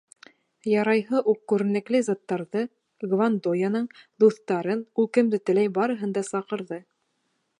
Ярайһы уҡ күренекле заттарҙы, Гвандояның дуҫтарын, ул кемде теләй барыһын да саҡырҙы.